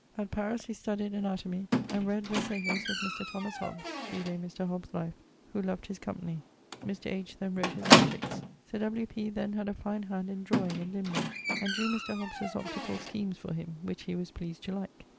At Paris he studyed anatomie, and read Versalius with Mr. Thomas Hobbes (vide Mr. Hobbs' life), who loved his company. Mr. H. then wrot his Optiques; Sir W. P. then had a fine hand in drawing and limning, and drew Mr. Hobbes's opticall schemes for him, which he was pleased to like.